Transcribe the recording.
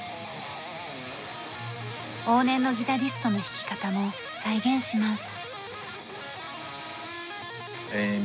往年のギタリストの弾き方も再現します。